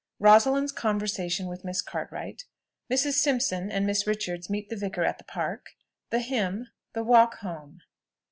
ROSALIND'S CONVERSATION WITH MISS CARTWRIGHT. MRS. SIMPSON AND MISS RICHARDS MEET THE VICAR AT THE PARK. THE HYMN. THE WALK HOME.